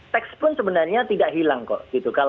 tekspun sebenarnya tidak hilang kok